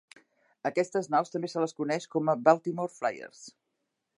A aquestes naus també se les coneix com a Baltimore Flyers.